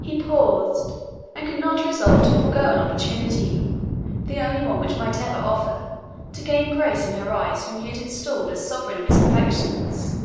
He paused, and could not resolve to forego an opportunity, the only one which might ever offer, to gain grace in her eyes whom he had installed as sovereign of his affections.